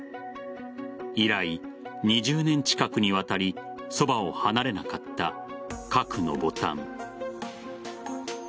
以来２０年近くにわたりそばを離れなかった核のボタン。